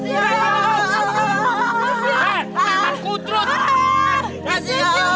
neman ku terus